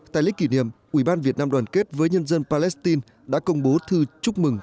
tại lễ kỷ niệm ủy ban việt nam đoàn kết với nhân dân palestine đã công bố thư chúc mừng